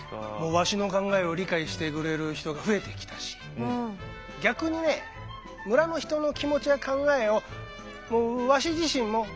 わしの考えを理解してくれる人が増えてきたし逆にね村の人の気持ちや考えをわし自身も知ることができてきたわけ。